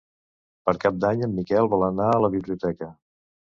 Per Cap d'Any en Miquel vol anar a la biblioteca.